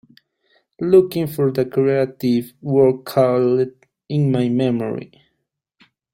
Looking for the crative work called In my memory